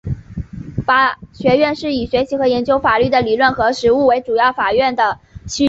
法学院是以学习和研究法律的理论和实务为主要任务的院系。